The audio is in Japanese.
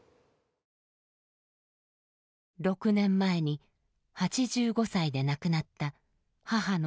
６年前に８５歳で亡くなった母の